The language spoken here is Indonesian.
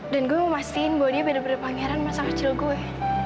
dan gue mau pastiin bahwa dia bener bener pangeran masa kecil gue